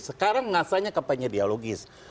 sekarang mengasahnya kampanye dialogis